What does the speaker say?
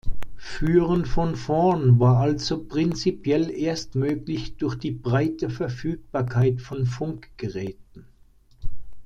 Führen von vorn war also prinzipiell erst möglich durch die breite Verfügbarkeit von Funkgeräten.